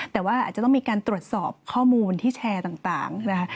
แต่ว่าอาจจะต้องมีการตรวจสอบข้อมูลที่แชร์ต่างนะคะ